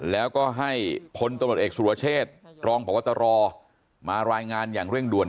แล้วก็ให้พลตำรวจเอกสุรเชษรองพบตรมารายงานอย่างเร่งด่วน